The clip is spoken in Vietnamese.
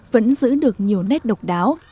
vẫn giữ được nhiều nét độc đáo